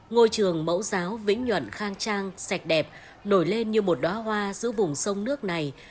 ngôi trường mẫu giáo vĩnh nhuận khang trang sạch đẹp nổi lên như một đoá hoa giữa vùng sông nước này